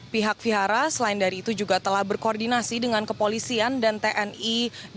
pihak vihara selain dari itu juga telah berkoordinasi dengan kepolisian dan tni